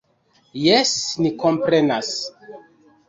Jes, ni komprenas.